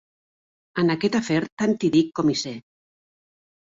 En aquest afer, tant hi dic com hi sé.